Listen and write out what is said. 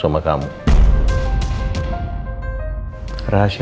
jadi kita bisa fare ingin nih